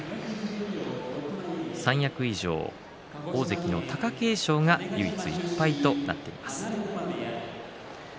三役以上、大関の貴景勝は唯一１敗となっています。